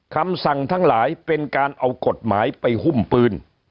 คำสั่งทั้งหลายเป็นการเอากฎหมายไปหุ้มปืน